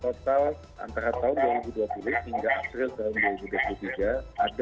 total antara tiga orang yang berada di niawati